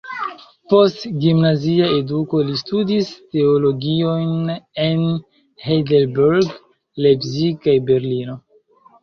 Post gimnazia eduko li studis teologion en Heidelberg, Leipzig kaj Berlino.